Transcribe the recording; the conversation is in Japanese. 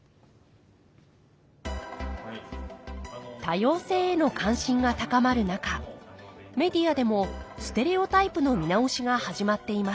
多様性への関心が高まる中メディアでもステレオタイプの見直しが始まっています